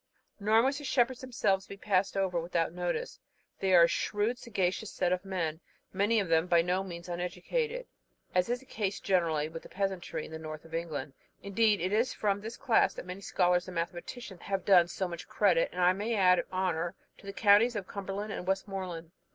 Nor must the shepherds themselves be passed over without notice. They are a shrewd, sagacious set of men, many of them by no means uneducated, as is the case generally with the peasantry in the north of England. Indeed, it is from this class that many scholars and mathematicians have done so much credit, and I may add honour, to the counties of Cumberland and Westmoreland.